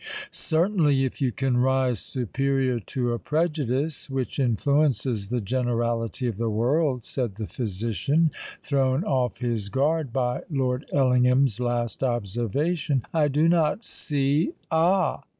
"Certainly—if you can rise superior to a prejudice which influences the generality of the world," said the physician, thrown off his guard by Lord Ellingham's last observation. "I do not see——" "Ah!